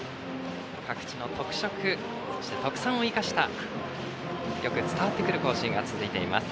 各地の特色そして、特産を生かしたよく伝わってくる行進が続いています。